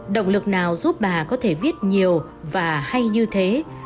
động lực nào giúp bà có thể viết nhiều và hay như thế